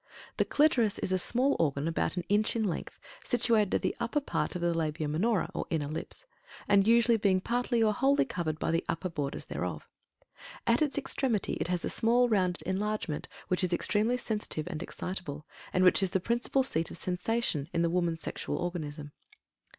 THE CLITORIS is a small organ, about an inch in length, situated at the upper part of the Labia Minora or "inner lips," and usually being partly or wholly covered by the upper borders thereof. At its extremity it has a small rounded enlargement which is extremely sensitive and excitable, and which is the principal seat of sensation in the woman's sexual organism.